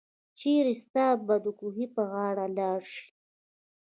چيري ستاه به دکوهي په غاړه لار شي